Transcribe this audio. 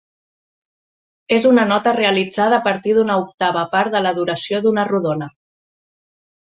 És una nota realitzada a partir d'una octava part de la duració d'una rodona.